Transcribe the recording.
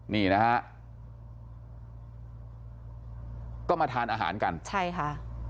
นี่นะฮะก็มาทานอาหารกันใช่ค่ะ